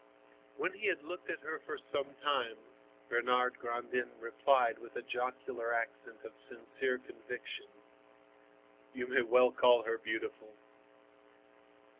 When he had looked at her for some time, Bernard Grandin replied with a jocular accent of sincere conviction: "You may well call her beautiful!"